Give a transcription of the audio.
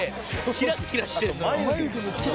キラキラしてる。